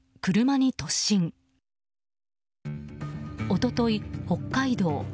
一昨日、北海道。